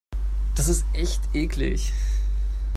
Das ist echt eklig.